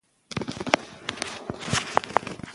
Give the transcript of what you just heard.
هغه له ډېر وخت راهیسې پښتو ژبه په مینه پالي.